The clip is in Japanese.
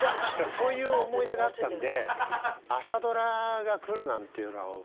そういう思い出があったんで。